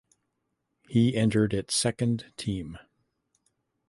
He entered its second team.